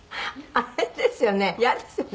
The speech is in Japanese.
「あれですよね。